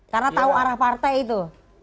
karena tahu arah partai itu